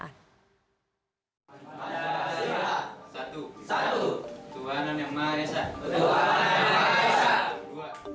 pancasila satu satu tuanan yang maesah tuanan yang maesah